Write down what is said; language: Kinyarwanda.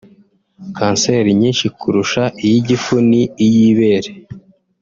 Kanseri nyinshi kurusha iy’igifu ni iy’ibere